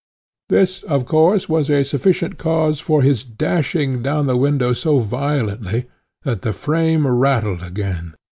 This of course was a sufficient cause for his dashing down the window so violently, that the frame rattled again.